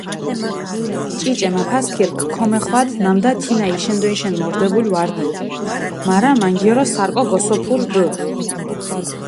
ჭიჭე მაფასქირქ ქომეხვადჷ, ნამდა თინა იშენდოიშენ მორდებული ვარდუნ, მარა მანგიორო სარკო გოსოფური რდჷ.